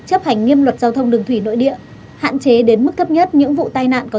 chấp hành nghiêm luật giao thông đường thủy nội địa hạn chế đến mức thấp nhất những vụ tai nạn có